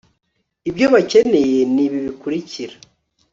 ibyo bakeneye ni bi bikurikira